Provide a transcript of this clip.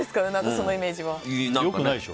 そのイメージは。